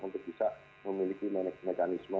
untuk bisa memiliki mekanisme